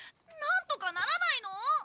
なんとかならないの？